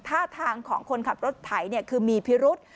ท่าทางของคนขับรถไถคือมีพิรุษ